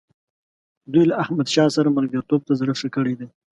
دوی له احمدشاه سره ملګرتوب ته زړه ښه کړی دی.